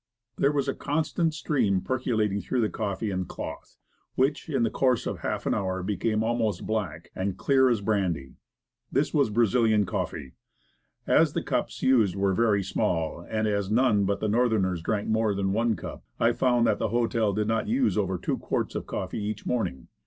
There was a constant stream percolating through coffee and cloth, which, in the course of half an hour, became almost black, and clear as brandy. This was "Brazilian coffee." As the cups used were very small, and as none but the Northerners drank more than one cup, I found that the hotel did not use over two quarts of coffee each morning.